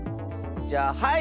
じゃあはい！